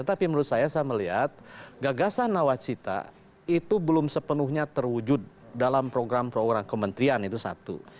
tapi menurut saya saya melihat gagasan nawacita itu belum sepenuhnya terwujud dalam program program kementerian itu satu